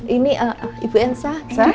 ini ibu elsa